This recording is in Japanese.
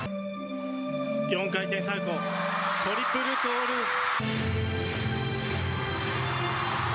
４回転サルコー、トリプルトーループ。